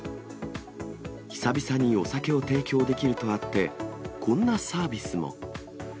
久々にお酒を提供できるとあって、こんなサービスも。